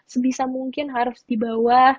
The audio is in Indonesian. sebisa mungkin harus dibawa